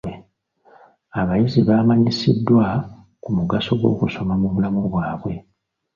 Abayizi baamanyisiddwa ku mugaso gw'okusoma mu bulamu baabwe.